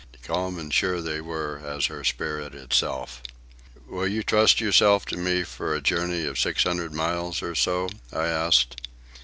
Calm and sure they were as her spirit itself. "Will you trust yourself to me for a journey of six hundred miles or so?" I asked.